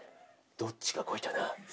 どっちかこいたな。